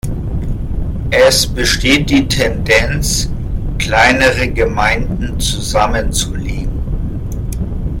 Es besteht die Tendenz, kleinere Gemeinden zusammenzulegen.